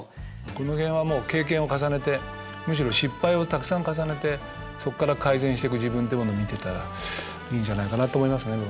この辺はもう経験を重ねてむしろ失敗をたくさん重ねてそこから改善していく自分ってものを見ていったらいいんじゃないかなと思いますね。